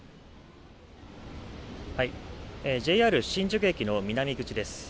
ＪＲ新宿駅の南口です。